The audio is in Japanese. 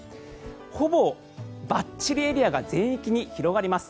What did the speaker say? ほぼばっちりエリアが全域に広がります。